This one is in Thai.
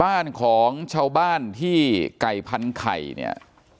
บ้านของชาวบ้านที่ไก่พันไข่เนี่ย